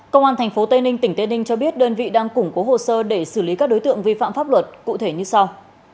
công an tp tây ninh tỉnh tây ninh cho biết đơn vị đang củng cố hồ sơ để xử lý các đối tượng vi phạm pháp luật cụ thể như sau